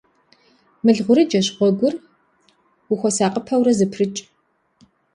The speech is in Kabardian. Мыл гъурыджэщ гъуэгур, ухуэсакъыпэурэ зэпрыкӏ.